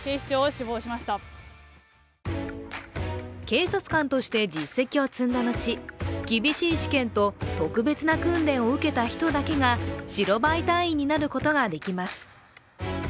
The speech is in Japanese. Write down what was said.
警察官として実績を積んだ後、厳しい試験と特別な訓練を受けた人だけが白バイ隊員になることができます。